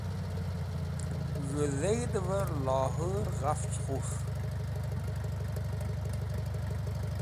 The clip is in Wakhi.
Z̃hu Dheg̃hver Laore ghafch Khus̃h